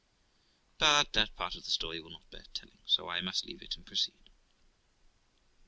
But that part of the story will not bear telling, so I must leave it, and proceed.